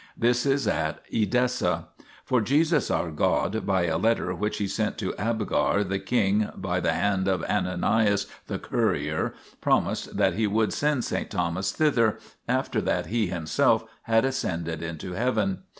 This is at Edessa. For Jesus our God by a letter which He sent to Abgar the king by the hand of Ananias the courier, promised that He would send S. Thomas thither, after that He Himself had ascended into Heaven.